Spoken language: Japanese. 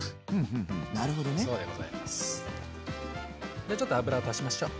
じゃあちょっと油を足しましょう。